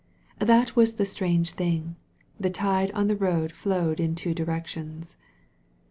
That was the strange thing — ^the tide on the road flowed in two directions.